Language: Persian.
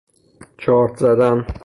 چارت زدن